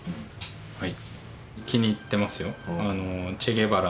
はい。